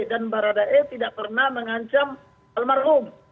dan baradae tidak pernah mengancam almarhum